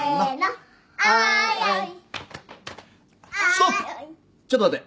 ストップちょっと待て。